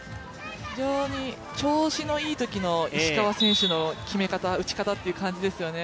非常に調子のいいときの石川選手の決め方打ち方って感じですよね。